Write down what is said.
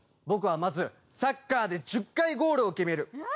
僕はまずサッカーで１０回ゴールを決める！